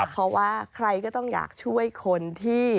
เพราะว่าใครก็ต้องอยากช่วยคนที่